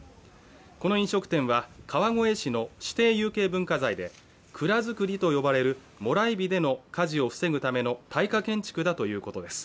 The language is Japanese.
この飲食店は川越市の指定有形文化財で蔵造りと呼ばれるもらい火での火事を防ぐための耐火建築だということです